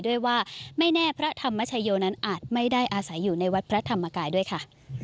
ด้วยว่าไม่แน่พระธรรมชโยนั้นอาจไม่ได้อาศัยอยู่ในวัดพระธรรมกายด้วยค่ะ